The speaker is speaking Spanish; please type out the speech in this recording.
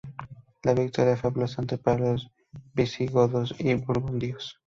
La victoria fue aplastante para los visigodos y burgundios.